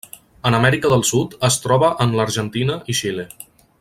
En Amèrica del Sud es troba en l'Argentina i Xile.